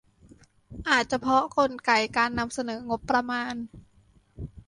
อาจเพราะกลไกการนำเสนองบประมาณ